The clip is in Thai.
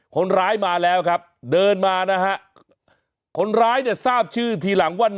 คนร้ายมาแล้วครับเดินมานะฮะคนร้ายเนี่ยทราบชื่อทีหลังว่า